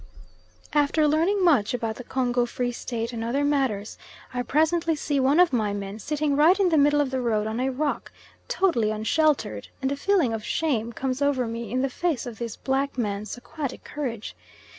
After learning much about the Congo Free State and other matters, I presently see one of my men sitting right in the middle of the road on a rock, totally unsheltered, and a feeling of shame comes over me in the face of this black man's aquatic courage.